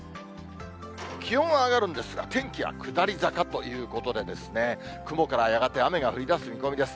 気温は上がるんですが、天気は下り坂ということで、雲からやがて雨が降りだす見込みです。